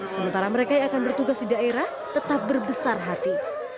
sementara mereka yang akan bertugas di daerah tetap berbesar hati